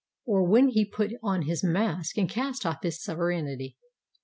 Or when he put on his mask and cast ofif his sovereignty!